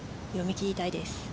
読み切りたいです。